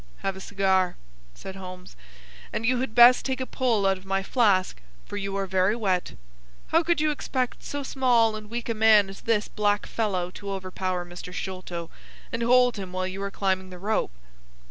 "Have a cigar," said Holmes; "and you had best take a pull out of my flask, for you are very wet. How could you expect so small and weak a man as this black fellow to overpower Mr. Sholto and hold him while you were climbing the rope?"